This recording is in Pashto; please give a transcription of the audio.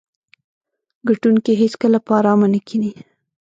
ګټونکي هیڅکله په ارامه نه کیني.